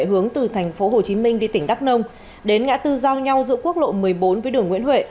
hướng từ tp hồ chí minh đi tỉnh đắk nông đến ngã tư giao nhau giữa quốc lộ một mươi bốn với đường nguyễn huệ